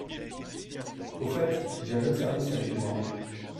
Au fait, j’ai un autre service à lui demander.